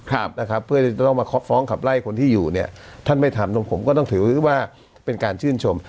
ครับนะครับเพื่อที่จะต้องมาฟ้องขับไล่คนที่อยู่เนี่ยท่านไม่ทำตรงผมก็ต้องถือว่าเป็นการชื่นชม